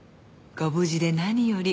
ご無事で何より。